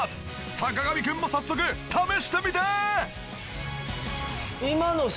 坂上くんも早速試してみて！